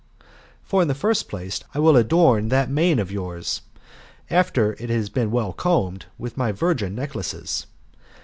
For, in the first place, I will adorn that mane of yours, after it has been well combed, with my virgin necklaces.